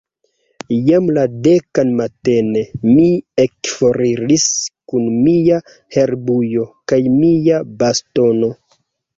Jam la dekan matene, mi ekforiris kun mia herbujo kaj mia bastono.